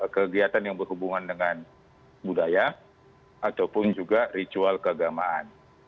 kegiatan yang berhubungan dengan budaya ataupun juga ritual keagamaan